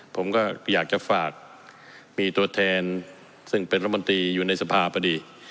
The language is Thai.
ผมก็อยากจะฝากมีตัวแทนซึ่งเป็นรัฐมนตรีอยู่ในสภาพดี